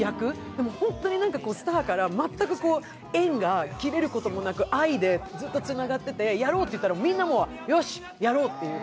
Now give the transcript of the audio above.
でもホントに「スター」から全く縁が切れることなく愛でずっとつながってて、やろうとなったらみんなもう「よし、やろう」という。